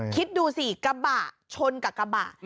คิดดูสิกระบะชนกับกระบะ